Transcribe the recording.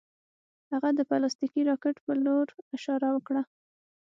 هغه د پلاستیکي راکټ په لور اشاره وکړه